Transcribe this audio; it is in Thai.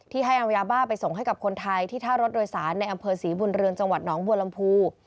ให้เอายาบ้าไปส่งให้กับคนไทยที่ท่ารถโดยสารในอำเภอศรีบุญเรือนจังหวัดหนองบัวลำพู